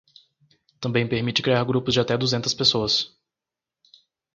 Também permite criar grupos de até duzentas pessoas.